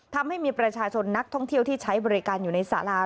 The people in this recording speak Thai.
ทำให้มีประชาชนนักท่องเที่ยวที่ใช้บริการอยู่ในสารา